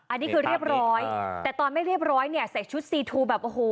อันนี้คือเรียบร้อยอ่าแต่ตอนไม่เรียบร้อยเนี่ยใส่ชุดซีทูแบบโอ้โห